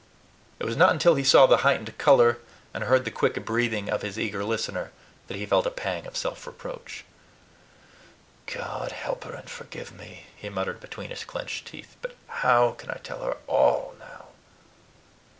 It was not until he saw the heightening color, and heard the quick breathing, of his eager listener, that he felt a pang of self reproach. "God help her and forgive me!" he muttered between his clinched teeth; "but how can I tell her ALL now!"